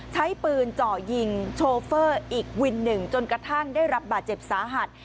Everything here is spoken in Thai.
ใช้ปืนเจาะยิงโชเฟอร์อีกวินหนึ่งจนกระทั่งได้รับบาดเจ็บสาหัส